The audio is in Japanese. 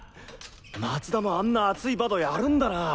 松田もあんな熱いバドやるんだなぁ！